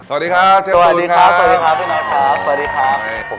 สวัสดีครับเชฟตูนสวัสดีครับสวัสดีครับพี่น็อตครับ